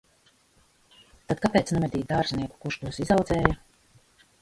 Tad kāpēc nemedīt dārznieku, kurš tos izaudzēja?